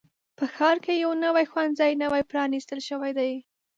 په ښار کې یو نوي ښوونځی نوی پرانیستل شوی دی.